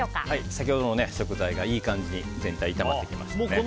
先ほどの食材がいい感じに全体炒まってきました。